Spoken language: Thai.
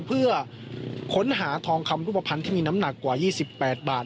เพื่อค้นหาทองคำรูปภัณฑ์ที่มีน้ำหนักกว่า๒๘บาท